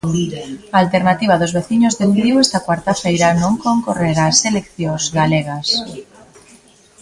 Alternativa dos Veciños decidiu esta cuarta feira non concorrer ás eleccións galegas.